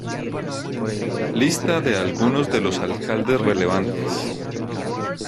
Lista de algunos de los alcaldes relevantes.